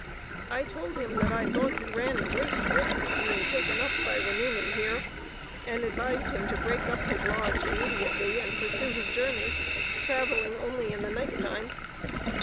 I told him that I thought he ran great risk of being taken up by remaining here, and advised him to break up his lodge immediately, and pursue his journey, traveling only in the night time.